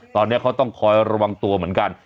ตอนนี้เขาต้องคอยระวังตัวเหมือนกัน